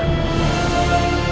saya sudah berjaga jaga